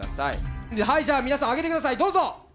はいじゃあ皆さん上げてくださいどうぞ！